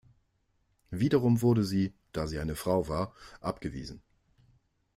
Wiederum wurde sie, da sie eine Frau war, abgewiesen.